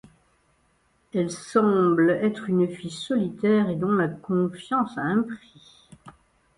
Elle semble être une fille solitaire et dont la confiance a un prix.